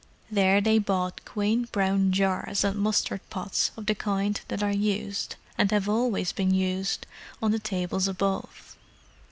There they bought quaint brown jars and mustard pots of the kind that are used, and have always been used, on the tables above.